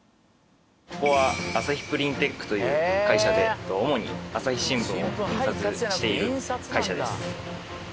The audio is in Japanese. ここは朝日プリンテックという会社で主に『朝日新聞』を印刷している会社です。